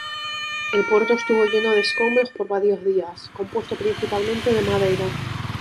El puerto estuvo lleno de escombros por varios días, compuesto principalmente de madera.